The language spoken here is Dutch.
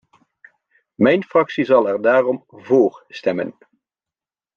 Mijn fractie zal er daarom vóór stemmen.